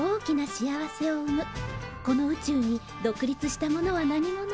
この宇宙に独立したものは何もない。